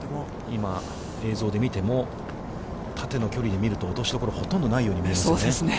今、映像で見ても、縦の距離で見ると、落としどころがほとんどないように見えますね。